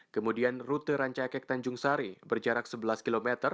kemudian rute rancaikek tanjung sari berjarak sebelas km